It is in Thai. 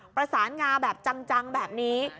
ประสานงาแบบจังแบบนี้